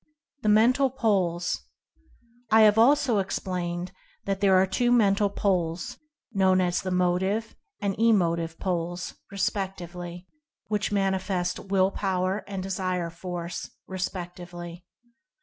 THE MENTAL POLES. I have also explained that there are two Mental Poles known as the Motive and Emotive Poles, re spectively, which manifest Will Power and Desire Force, respectively.